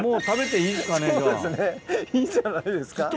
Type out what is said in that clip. いいんじゃないですか。